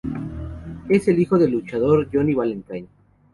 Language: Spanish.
Es el hijo del luchador Johnny Valentine.